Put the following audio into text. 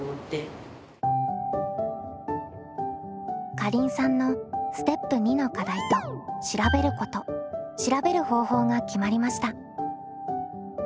かりんさんのステップ２の課題と「調べること」「調べる方法」が決まりました。